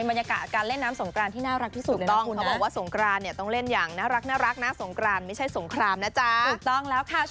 บรรยากาศการเล่นน้ำสงกรานที่น่ารักที่สุดถูกต้องเขาบอกว่าสงกรานเนี่ยต้องเล่นอย่างน่ารักนะสงกรานไม่ใช่สงครามนะจ๊ะถูกต้องแล้วค่ะ